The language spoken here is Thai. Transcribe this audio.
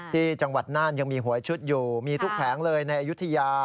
จังหวัดน่านยังมีหวยชุดอยู่มีทุกแผงเลยในอายุทยา